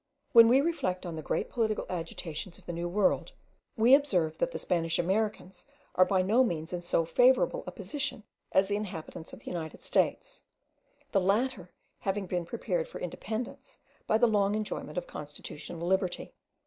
When we reflect on the great political agitations of the New World, we observe that the Spanish Americans are by no means in so favourable a position as the inhabitants of the United States; the latter having been prepared for independence by the long enjoyment of constitutional liberty.